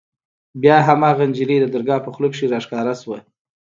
بيا هماغه نجلۍ د درګاه په خوله کښې راښکاره سوه.